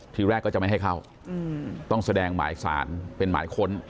ทีแรกก็จะไม่ให้เข้าต้องแสดงหมายสารเป็นหมายค้น